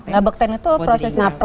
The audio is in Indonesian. ngabuk ten itu prosesi setiap pen